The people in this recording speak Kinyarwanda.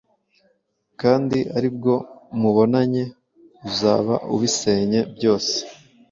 kandi aribwo mubonanye uzaba ubisenye byose